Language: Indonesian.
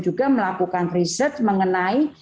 juga melakukan riset mengenai